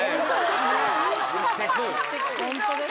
本当ですね